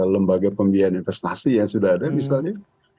lembaga pembiayaan investasi yang sudah ada misalnya